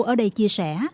ở đây chia sẻ